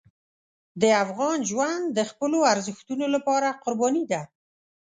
د افغان ژوند د خپلو ارزښتونو لپاره قرباني ده.